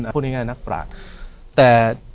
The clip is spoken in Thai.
พูดง่ายหนักปราวงส์แต่